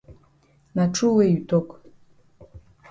Na true wey you tok.